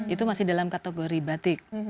itu masih dalam kategori batik